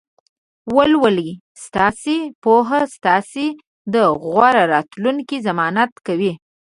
ولولئ! ستاسې پوهه ستاسې د غوره راتلونکي ضمانت کوي.